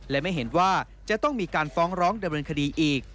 และไม่เห็นว่าจะต้องมีการฟ้องร้องดำเนินคดีอีก